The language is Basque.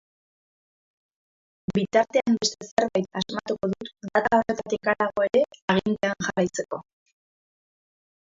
Bitartean beste zerbait asmatuko du data horretatik harago ere agintean jarraitzeko.